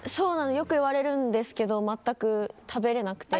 よく言われるんですけど全く食べれなくて。